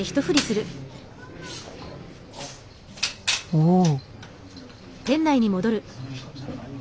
おお！